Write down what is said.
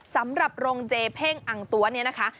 สำหรับโรงเจเพ่งอังตัวนี้นะคะ